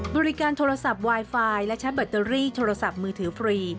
บริการโทรศัพท์ไวไฟและใช้แบตเตอรี่โทรศัพท์มือถือฟรี